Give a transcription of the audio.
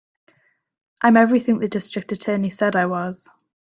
I'm everything the District Attorney said I was.